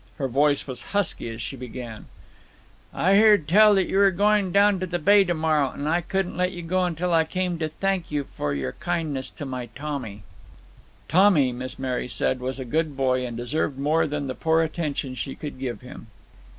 Her voice was husky as she began: "I heerd tell that you were goin' down to the Bay tomorrow, and I couldn't let you go until I came to thank you for your kindness to my Tommy." Tommy, Miss Mary said, was a good boy, and deserved more than the poor attention she could give him.